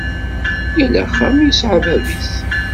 Yal axxam yesɛa bab-is.